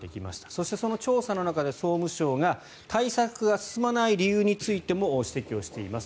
そしてその調査の中で総務省が対策が進まない理由についても指摘をしています。